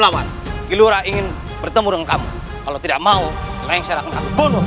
lawan gilura ingin bertemu dengan kamu kalau tidak mau lengser akan kamu bunuh